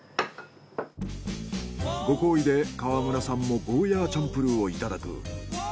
ご厚意で川村さんもゴーヤーチャンプルーをいただく。